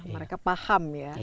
mereka paham ya